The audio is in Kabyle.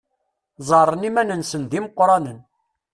Ẓẓaren iman-nsen d imeqqranen.